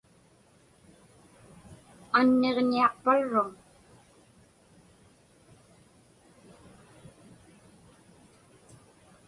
Anniġñiaqparruŋ?